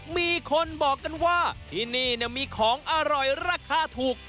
มีคนบอกกันว่าที่นี่มีของอร่อยราคาถูก